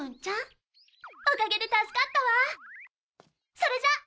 それじゃあ！